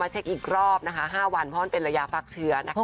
เช็คอีกรอบนะคะ๕วันเพราะมันเป็นระยะฟักเชื้อนะคะ